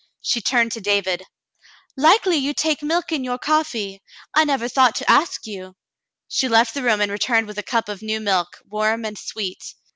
She turned to David :" Likely you take milk in your coffee. I never thought to ask you." She left the room and returned with a cup of new milk, warm and sweet.